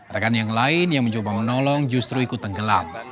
rekan yang lain yang mencoba menolong justru ikut tenggelam